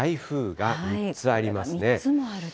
３つもあると。